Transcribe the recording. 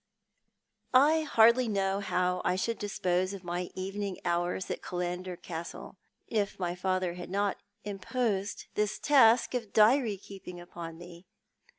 I HARDLY know how I should dispose of my evening hours at Killander Castle, if father had not imposed this task of diary keeping upon me.